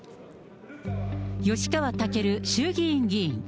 吉川赳衆議院議員。